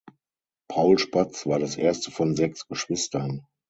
Paul Spatz war das erste von sechs Geschwistern.